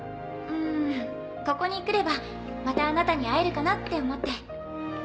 んここに来ればまたあなたに会えるかなって思って。